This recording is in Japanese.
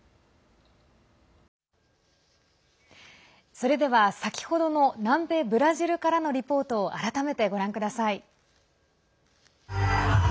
それでは先ほどの南米ブラジルからのリポートを改めてご覧ください。